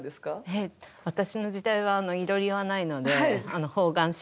えっ私の時代はいろりはないのであの方眼紙で。